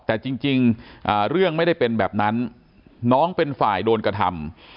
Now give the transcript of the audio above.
แต่จริงเรื่องไม่ได้เป็นแบบนั้นน้องเป็นฝ่ายโดนกระทำ